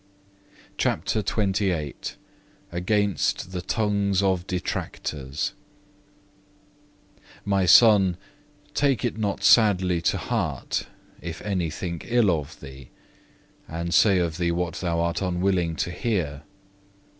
(1) Ecclesiastes ii. 11. CHAPTER XXVIII Against the tongues of detractors "My Son, take it not sadly to heart, if any think ill of thee, and say of thee what thou art unwilling to hear.